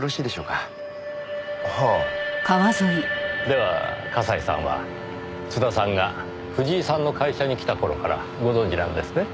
では葛西さんは津田さんが藤井さんの会社に来た頃からご存じなんですね？